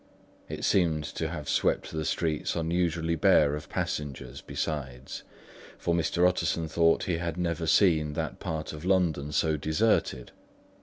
It seemed to have swept the streets unusually bare of passengers, besides; for Mr. Utterson thought he had never seen that part of London so deserted.